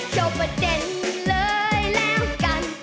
โคปเต็นเลยแล้วกัน